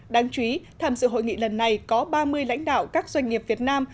đáng chú ý tham dự hội nghị lần này có ba mươi lãnh đạo các doanh nghiệp việt nam